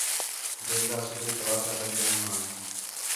بیگھا، صُبیح کلاسیاں لڳدیاں ہاں